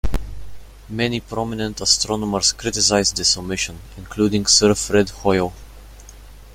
Many prominent astronomers criticised this omission, including Sir Fred Hoyle.